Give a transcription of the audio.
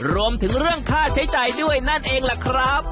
รวมถึงเรื่องค่าใช้จ่ายด้วยนั่นเองล่ะครับ